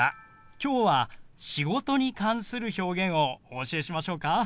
今日は「仕事」に関する表現をお教えしましょうか？